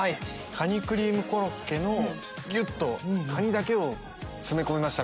カニクリームコロッケのぎゅっとカニだけを詰め込みました！